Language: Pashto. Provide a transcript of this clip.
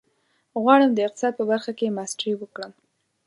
غواړم د اقتصاد په برخه کې ماسټري وکړم.